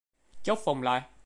Chốt phòng lại